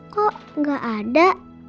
kok gak ada